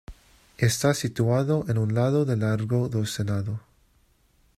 Está situado en un lado del Largo do Senado.